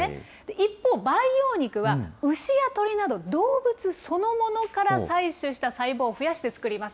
一方、培養肉は牛や鶏など動物そのものから採取した細胞を増やして作ります。